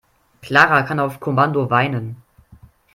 Clara kann auf Kommando weinen.